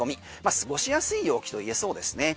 過ごしやすい陽気といえそうですね。